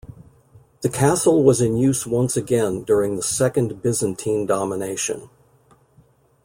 The castle was in use once again during the second Byzantine domination.